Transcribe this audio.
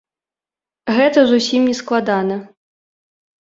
Гэта зусім не складана.